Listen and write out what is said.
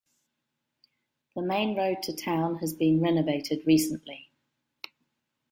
The main road to town has been renovated recently.